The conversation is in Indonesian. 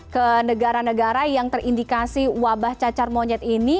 ke negara negara yang terindikasi wabah cacar monyet ini